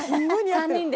３人で。